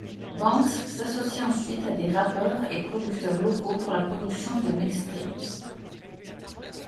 Banks s'associe ensuite à des rappeurs et producteurs locaux pour la produciton de mixtapes.